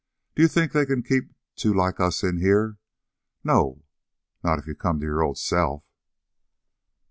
D'you think they can keep two like us in here? No, not if you come to your old self."